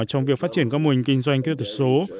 trong việc phát triển các mô hình kinh doanh kết thúc số